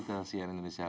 terima kasih bu